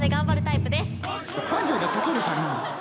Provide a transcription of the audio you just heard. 根性で解けるかのう？